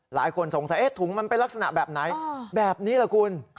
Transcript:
หลายคนสงสัยถุงมันเป็นลักษณะแบบไหนแบบนี้ล่ะคุณ